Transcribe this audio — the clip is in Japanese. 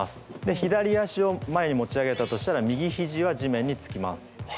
左足を前に持ち上げたとしたら右ひじは地面につきます。